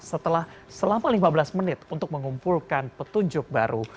setelah selama lima belas menit untuk mengumpulkan petunjuk baru